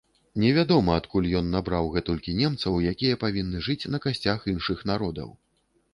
Невядома, адкуль ён набраў гэтулькі немцаў, якія павінны жыць на касцях іншых народаў.